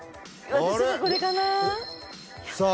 私もこれかなあさあ